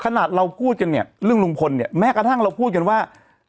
ขนาดเราพูดกันเนี่ยเรื่องลุงพลเนี่ยแม้กระทั่งเราพูดกันว่า